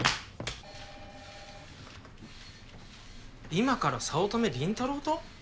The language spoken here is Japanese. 今から早乙女倫太郎と？